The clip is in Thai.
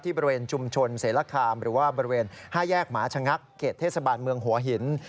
บริเวณชุมชนเสรคามหรือว่าบริเวณ๕แยกหมาชะงักเขตเทศบาลเมืองหัวหิน